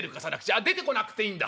あ出てこなくていいんだ。